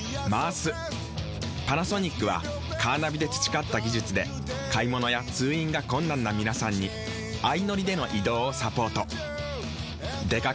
パナソニックはカーナビで培った技術で買物や通院が困難な皆さんに相乗りでの移動をサポート。